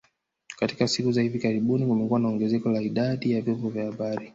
Katika siku za hivi karibuni kumekuwa na ongezeko la idadi ya vyombo vya habari